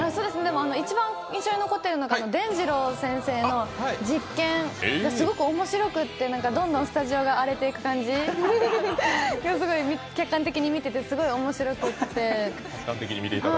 一番印象に残っているのがでんじろう先生の実験がすごく面白くてどんどんスタジオが荒れていく感じが客観的に見ててすごく面白くって。